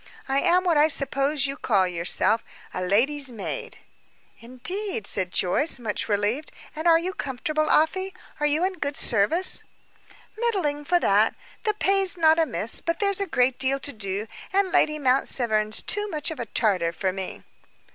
I am what I suppose you call yourself a lady's maid." "Indeed!" said Joyce, much relieved. "And are you comfortable, Afy? Are you in good service?" "Middling, for that. The pay's not amiss, but there's a great deal to do, and Lady Mount Severn's too much of a Tartar for me."